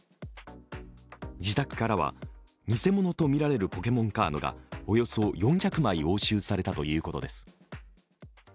自宅からは偽物とみられるポケモンカードがおよそ４００枚押収されたということです。